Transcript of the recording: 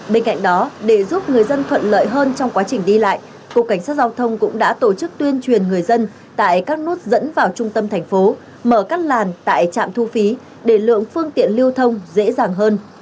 bên cạnh đó để giúp người dân thuận lợi hơn trong quá trình đi lại cục cảnh sát giao thông cũng đã tổ chức tuyên truyền người dân tại các nút dẫn vào trung tâm thành phố mở các làn tại trạm thu phí để lượng phương tiện lưu thông dễ dàng hơn